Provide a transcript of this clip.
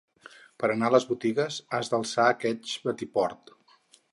Per anar a les botigues has d'alçar aqueix batiport.